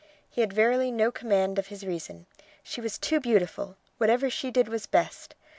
He had verily no command of his reason. She was too beautiful! Whatever she did was best.